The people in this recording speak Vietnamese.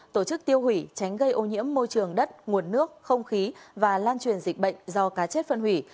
tổ chức tiêu hủy tránh gây ô nhiễm môi trường đất nguồn nước không khí và lan truyền dịch bệnh do cá chết phân hủy